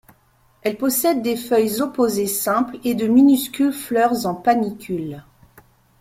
Elle possède des feuilles opposées simples et de minuscules fleurs en panicules.